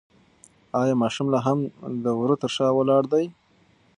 ایا ماشوم لا هم د وره تر شا ولاړ دی؟